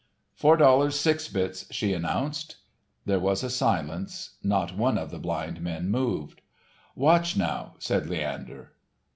"Four dollars, six bits," she announced. There was a silence, not one of the blind men moved. "Watch now," said Leander.